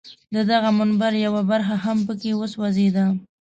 د دغه منبر یوه برخه هم په کې وسوځېده.